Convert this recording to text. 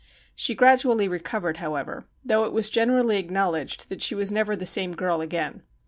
She gradually recovered, however, though it was generally acknowledged that she was never the same girl again.